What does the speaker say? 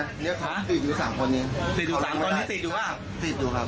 เรียกค้าติดอยู่สามคนนี้ติดอยู่สามคนนี้ติดอยู่ป่ะติดอยู่ครับ